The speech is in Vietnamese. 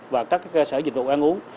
và các cơ sở dịch vụ ăn uống